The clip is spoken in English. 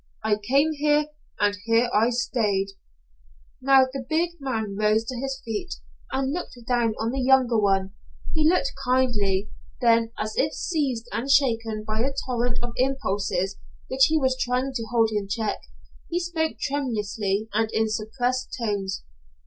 I came here, and here I stayed." Now the big man rose to his feet, and looked down on the younger one. He looked kindly. Then, as if seized and shaken by a torrent of impulses which he was trying to hold in check, he spoke tremulously and in suppressed tones.